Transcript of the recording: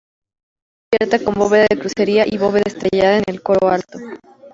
Está cubierta con bóveda de crucería y bóveda estrellada en el coro alto.